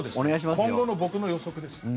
今後の僕の予測です。